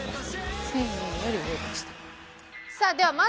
１０００円より上か下。